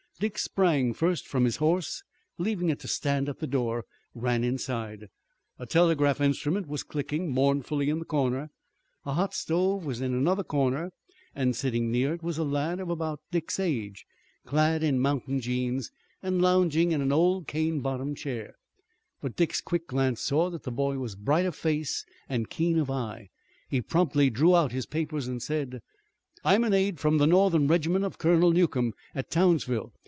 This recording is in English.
Dick sprang first from his horse, and leaving it to stand at the door, ran inside. A telegraph instrument was clicking mournfully in the corner. A hot stove was in another corner, and sitting near it was a lad of about Dick's age, clad in mountain jeans, and lounging in an old cane bottomed chair. But Dick's quick glance saw that the boy was bright of face and keen of eye. He promptly drew out his papers and said: "I'm an aide from the Northern regiment of Colonel Newcomb at Townsville.